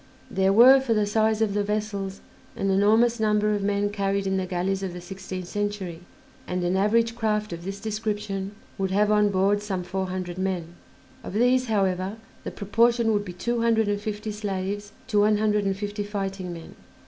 There were, for the size of the vessels, an enormous number of men carried in the galleys of the sixteenth century, and an average craft of this description would have on board some four hundred men; of these, however, the proportion would be two hundred and fifty slaves to one hundred and fifty fighting men.